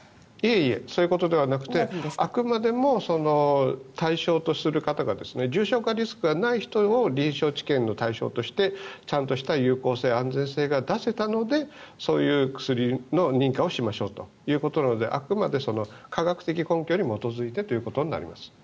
いえいえそういうことではなくてあくまでも対象とする方が重症化リスクがない人を臨床治験の対象としたちゃんとした有効性、安全性が出せたのでそういう薬の認可をしましょうということなのであくまで科学的根拠に基づいてということです。